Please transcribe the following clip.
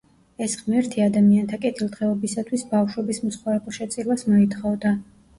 ეს ღმერთი ადამიანთა კეთილდღეობისათვის ბავშვების მსხვერპლშეწირვას მოითხოვდა.